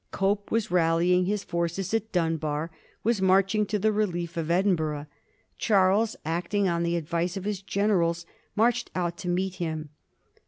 Cope was rallying his forces at Dunbar — was marching to the relief of Edinburgh. Charles, acting on the advice of his generals, marched out to meet him.